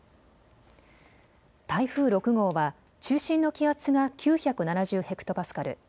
台風６号は中心の気圧が９７０ヘクトパスカル。